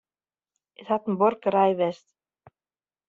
It hat in buorkerij west.